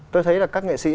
tôi thấy là các nghệ sĩ